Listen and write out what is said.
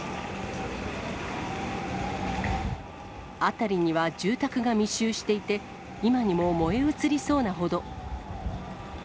辺りには住宅が密集していて、今にも燃え移りそうなほど。